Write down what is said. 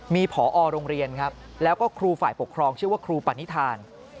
มีผอโรงเรียนครับแล้วก็ครูฝ่ายปกครองชื่อว่าครูปณิธาน